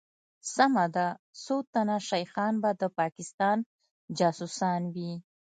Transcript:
سمه ده څوتنه شيخان به دپاکستان جاسوسان وي